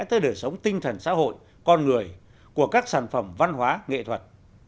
tới đời sống tinh thần xã hội con người của các sản phẩm văn hóa nghệ thuật